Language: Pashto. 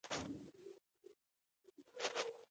د نړۍ پراخه برخه په دې اراده کې شریکه وه.